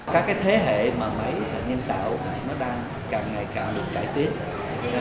các cái thế hệ mà máy nhân tạo này nó đang càng ngày càng được cải tiến